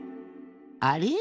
あれ？